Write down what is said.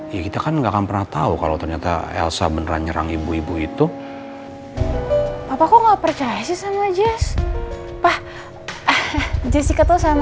ini kesempatan yang tepat